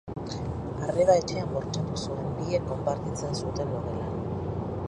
Arreba etxean bortxatu zuen, biek konpartitzen zuten logelan.